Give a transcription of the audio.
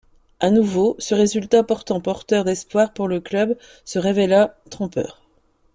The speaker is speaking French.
À nouveau, ce résultat pourtant porteur d'espoir pour le club se révèlera trompeur.